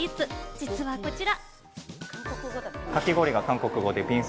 実はこちら。